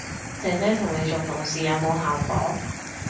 姐姐同你做同事有冇效果